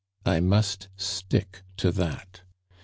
I must stick to that.